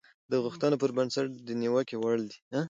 د غوښتنو پر بنسټ د نيوکې وړ دي.